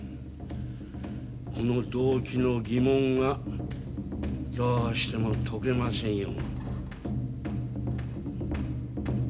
この動機の疑問がどうしても解けませんよ。